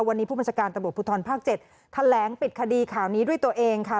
วันนี้ผู้บัญชาการตำรวจภูทรภาค๗แถลงปิดคดีข่าวนี้ด้วยตัวเองค่ะ